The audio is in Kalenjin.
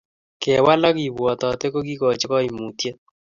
Kewal ak kebwatate kokiikoch koimutiet